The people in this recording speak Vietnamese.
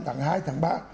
tháng hai tháng ba